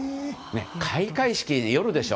開会式は夜でしょ。